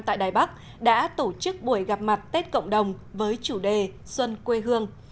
tại đài bắc đã tổ chức buổi gặp mặt tết cộng đồng với chủ đề xuân quê hương